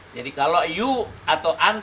jadi kalau you